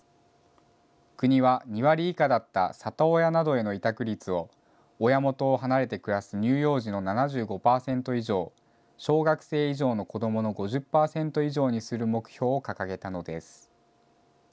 国は２割以下だった里親などへの委託率を、親元を離れて暮らす乳幼児の７５％以上、小学生以上の子どもの５０％以上にする目標を掲げたのです。